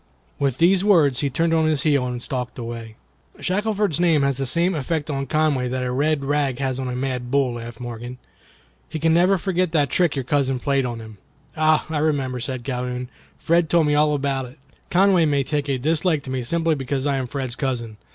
With these words he turned on his heel and stalked away. "Shackelford's name has the same effect on Conway that a red rag has on a mad bull," laughed Morgan. "He can never forget that trick your cousin played on him." "Ah! I remember," said Calhoun; "Fred told me all about it. Conway may take a dislike to me simply because I am Fred's cousin.